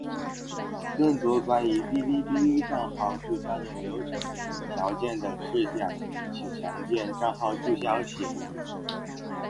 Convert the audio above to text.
更多关于哔哩哔哩账号注销的流程、条件等事项请详见《账号注销协议》。